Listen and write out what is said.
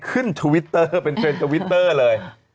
ทวิตเตอร์เป็นเทรนดทวิตเตอร์เลย